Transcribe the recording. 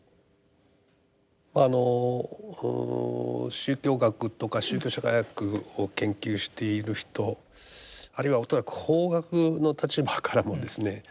あの宗教学とか宗教社会学を研究している人あるいは恐らく法学の立場からもですね